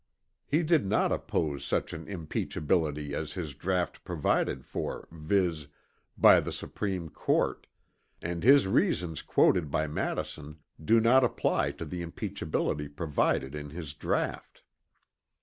He did not oppose such an impeachability as his draught provided for viz., by the Supreme Court, and his reasons quoted by Madison do not apply to the impeachability provided in his draught.